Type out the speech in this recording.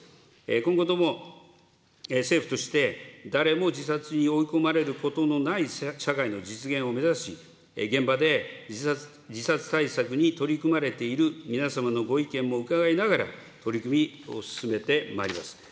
今後とも政府として、誰も自殺に追い込まれることのない社会の実現を目指し、現場で自殺対策に取り組まれている皆様のご意見も伺いながら、取り組みを進めてまいります。